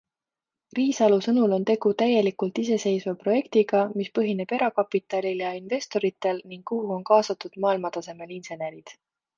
Riisalu sõnul on tegu täielikult iseseiseva projektiga, mis põhineb erakapitalil ja investoritel ning kuhu on kaasatud maailmatasemel insenerid.